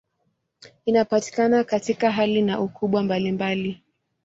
Inapatikana katika hali na ukubwa mbalimbali.